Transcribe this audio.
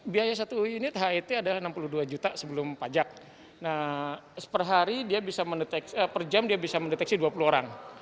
biaya satu unit het adalah enam puluh dua juta sebelum pajak perhari dia bisa mendeteksi per jam dia bisa mendeteksi dua puluh orang